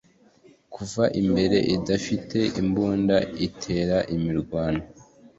kuva imbere idafite imbunda atera imirwano